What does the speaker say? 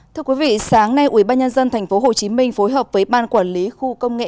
thưa quý vị sáng nay ủy ban nhân dân tp hcm phối hợp với ban quản lý khu công nghệ